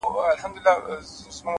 هره ورځ د زده کړې نوې موقع ده.!